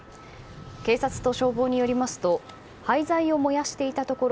警察と消防によりますと廃材を燃やしていたところ